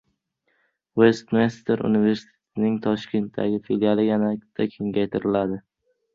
Vestminster universitetining Toshkentdagi filiali yanada kengaytiriladi